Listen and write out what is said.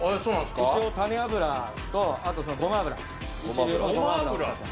一応、種油とごま油。